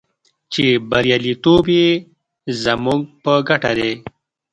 چې بریالیتوب یې زموږ په ګټه دی.